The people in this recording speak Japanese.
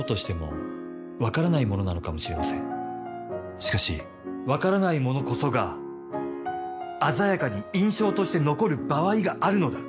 しかし分からないものこそが鮮やかに印象として残る場合があるのだ。